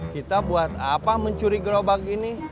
kita buat apa mencuri gerobak ini